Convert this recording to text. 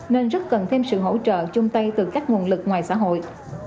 nên rất cần thêm sự hỗ trợ chung tay từ các nguồn lực ngoài xã hội